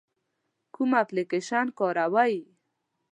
کوم اپلیکیشن کاروئ؟